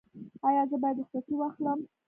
ایا زه باید رخصتي واخلم؟